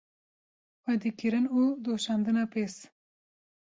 xwedîkirin û doşandina pez